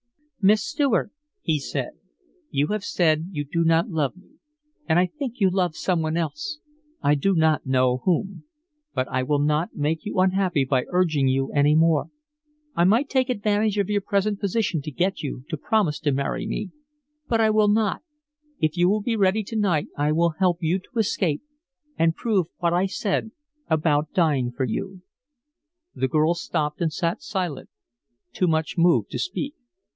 "'Miss Stuart,' he said, 'you have said you do not love me. And I think you love some one else I do not know whom; but I will not make you unhappy by urging you any more. I might take advantage of your present position to get you to promise to marry me. But I will not. If you will be ready to night I will help you to escape, and prove what I said about dying for you.'" The girl stopped and sat silent, too much moved to speak.